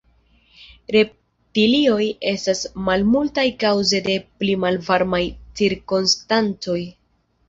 Reptilioj estas malmultaj kaŭze de pli malvarmaj cirkonstancoj.